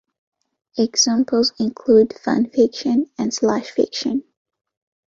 Examples include fan fiction and slash fiction.